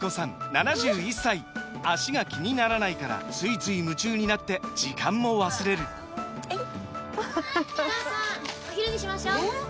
７１歳脚が気にならないからついつい夢中になって時間も忘れるお母さんお昼にしましょうえー